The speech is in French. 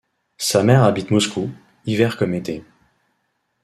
Sa mère habite Moscou, hiver comme été.